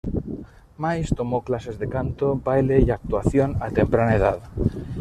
Mays tomó clases de canto, baile y actuación a temprana edad.